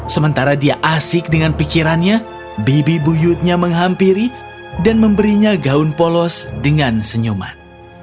sementara dia asik dengan pikirannya bibi buyutnya menghampiri dan memberinya gaun polos dengan senyuman